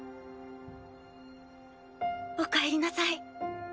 おかえりなさい。